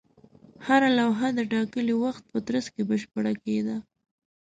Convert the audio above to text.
هره لوحه د ټاکلي وخت په ترڅ کې بشپړه کېده.